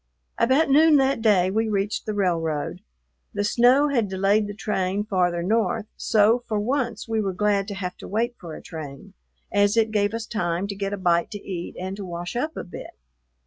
About noon that day we reached the railroad. The snow had delayed the train farther north, so for once we were glad to have to wait for a train, as it gave us time to get a bite to eat and to wash up a bit.